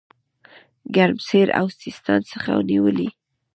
ګرمسېر او سیستان څخه نیولې.